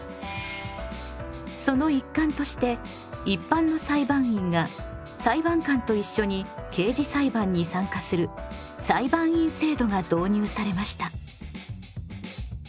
その一環として一般の裁判員が裁判官といっしょに刑事裁判に参加する裁判員制度が導入されました。